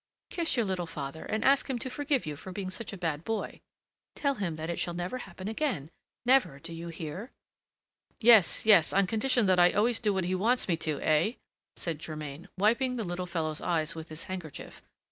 Kiss your little father, and ask him to forgive you for being such a bad boy. Tell him that it shall never happen again! never, do you hear?" "Yes, yes, on condition that I always do what he wants me to, eh?" said Germain, wiping the little fellow's eyes with his handkerchief.